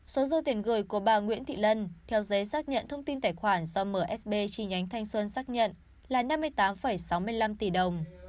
số dư tiền gửi của bà nguyễn thị lân theo giấy xác nhận thông tin tài khoản do msb chi nhánh thanh xuân xác nhận là năm mươi tám sáu mươi năm tỷ đồng